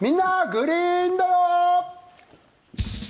グリーンだよ」。